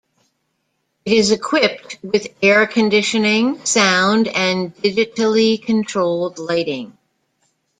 It is equipped with air conditioning, sound, and digitally controlled lighting.